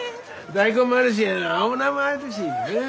大根もあるし青菜もあるしうん。